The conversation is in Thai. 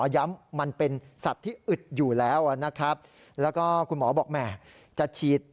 ย้ำมันเป็นสัตว์ที่อึดอยู่แล้วนะครับแล้วก็คุณหมอบอกแหมจะฉีด